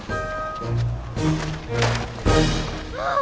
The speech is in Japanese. あ。